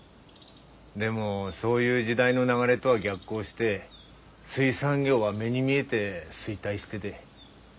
でもそういう時代の流れとは逆行して水産業は目に見えて衰退してで。